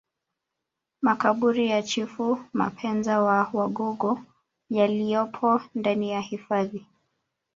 Makaburi ya Chifu Mapenza wa wagogo yaliyopo ndani ya hifadhi